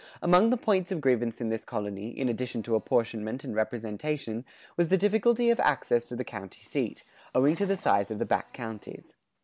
Among the points of grievance in this colony, in addition to apportionment and representation, was the difficulty of access to the county seat, owing to the size of the back counties.